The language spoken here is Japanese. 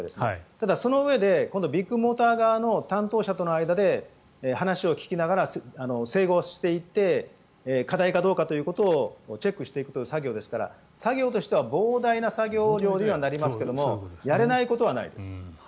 ただそのうえでビッグモーター側の担当者との間で話を聞きながら整合していって過大かどうかということをチェックしていくという作業ですから作業としては膨大な作業量になりますがやれないことはないです。